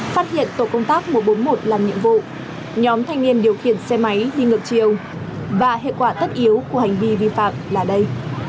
phát hiện tổ công tác một trăm bốn mươi một làm nhiệm vụ nhóm thanh niên điều khiển xe máy đi ngược chiều và hệ quả tất yếu của hành vi vi phạm là đây